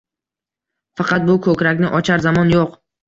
Faqat bu ko‘krakni ochar zamon yo‘q.